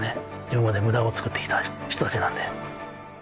今まで無駄を作って来た人たちなんで。